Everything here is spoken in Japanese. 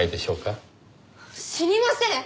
知りません！